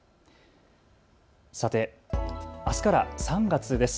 さて、あすから３月です。